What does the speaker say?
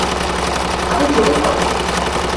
আরো জোরে করো।